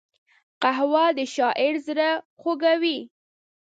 قهوه د شاعر زړه خوږوي